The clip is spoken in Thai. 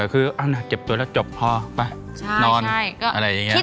เออคือเหมือนว่าเจ็บตัวแล้วจบพอเดี๋ยวไปนอน